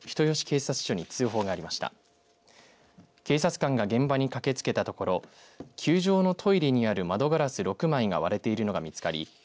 警察官が現場に駆けつけたところ球場のトイレにある窓ガラス６枚が割れているのが見つかり